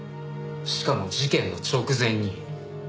しかも事件の直前に。